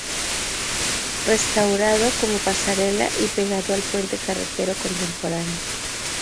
Restaurado como pasarela y pegado al puente carretero contemporáneo.